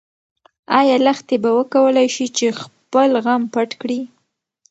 ايا لښتې به وکولی شي چې خپل غم پټ کړي؟